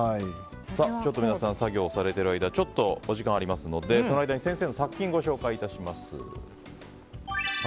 皆さん、作業されている間お時間ありますので作品をご紹介します。